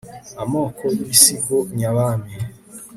amoko y'ibisigo nyabami